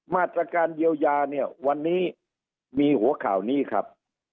มาตรการเยียวยาเนี่ยวันนี้มีหัวข่าวนี้ครับ